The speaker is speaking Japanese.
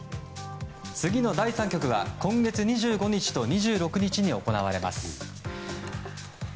次の第３局は今月２５日と２６日に行われます。